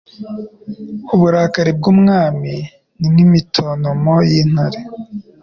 Uburakari bw’umwami ni nk’imitontomo y’intare